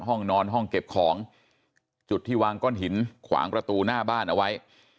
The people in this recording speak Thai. ห้องนอนห้องเก็บของจุดที่วางก้อนหินขวางประตูหน้าบ้านเอาไว้